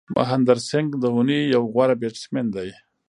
مهندر سنگھ دهوني یو غوره بېټسمېن دئ.